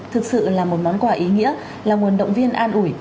thực sự là một món quà ý nghĩa là nguồn động viên an ủi